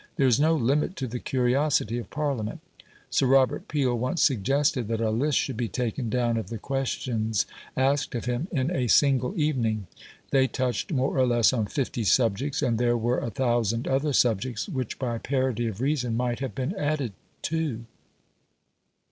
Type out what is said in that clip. There is no limit to the curiosity of Parliament. Sir Robert Peel once suggested that a list should be taken down of the questions asked of him in a single evening; they touched more or less on fifty subjects, and there were a thousand other subjects which by parity of reason might have been added too.